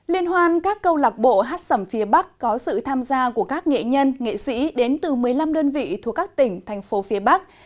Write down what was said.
liên hoan các câu lạc bộ hát sầm phía bắc có sự tham gia của các nghệ nhân nghệ sĩ đến từ một mươi năm đơn vị thuộc các tỉnh thành phố phía bắc